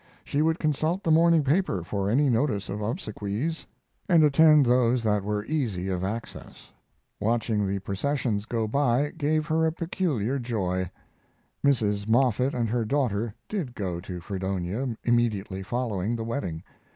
She would consult the morning paper for any notice of obsequies and attend those that were easy of access. Watching the processions go by gave her a peculiar joy. Mrs. Moffett and her daughter did go to Fredonia immediately following the wedding.